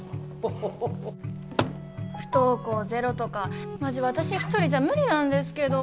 不登校ゼロとかマジわたし一人じゃ無理なんですけど。